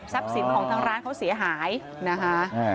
สินของทางร้านเขาเสียหายนะคะ